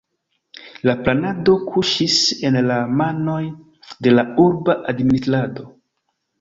La planado kuŝis en la manoj de la urba administrado.